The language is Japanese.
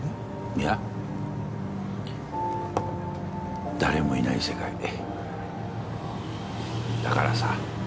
いや誰もいない世界だからさ